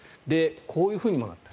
こういうふうにもなった。